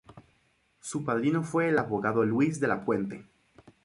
Su padrino fue el abogado Luis de la Puente.